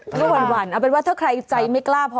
ก็หวั่นเอาเป็นว่าถ้าใครใจไม่กล้าพอ